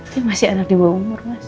ini masih anak di bawah umur mas